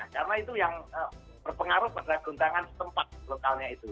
karena itu yang berpengaruh pada gendangan tempat lokalnya itu